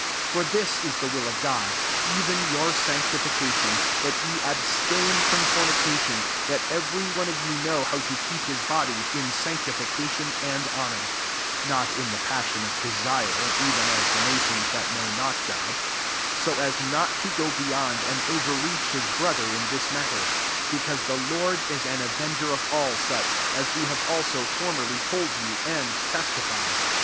3 For this is the will of Ciod, even your sanctification ; that ye abstain from fbmica^n; 4 that every one of you know how to keep his body* in sanctification and honour ; 5 (not in the passion of desire, even as the nations that know not God;) 6 so as not to go beyond and overreach his bro ther in this matter t because the Lord is an avenger of all such, as we have also formerly told you, and testified.